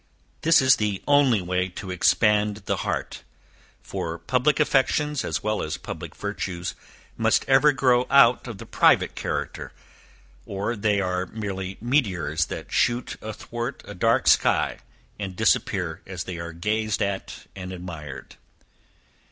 This is the only way to expand the heart; for public affections, as well as public virtues, must ever grow out of the private character, or they are merely meteors that shoot athwart a dark sky, and disappear as they are gazed at and admired.